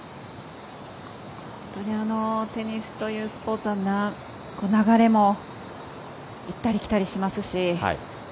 本当にテニスというスポーツは流れも行ったり来たりしますし。